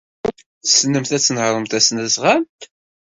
Tessnemt ad tnehṛemt tasnasɣalt?